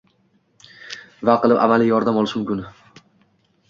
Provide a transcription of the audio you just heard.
va qilib amaliy yordam olish mumkin?